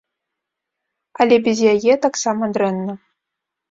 Але без яе таксама дрэнна.